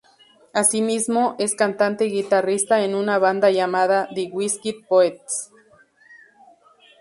Asimismo, es cantante y guitarrista en una banda llamada "The Whiskey Poets".